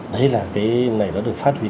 đấy là cái này nó được phát huy